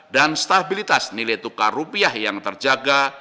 dan stabilitas nilai tukar rupiah yang terjaga